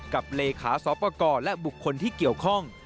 กับเลขาสอปกรณ์และบุคคลที่เกี่ยวข้อง